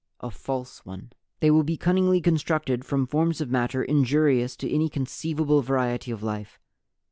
A false one! "They will be cunningly constructed from forms of matter injurious to any conceivable variety of life.